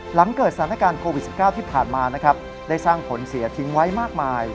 หลังเกิดสถานการณ์โควิด๑๙ที่ผ่านมานะครับได้สร้างผลเสียทิ้งไว้มากมาย